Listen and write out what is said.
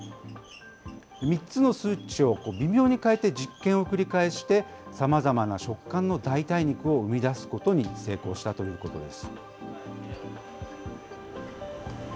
３つの数値を微妙に変えて、実験を繰り返して、さまざまな食感の代替肉を生み出すことに成功したということです。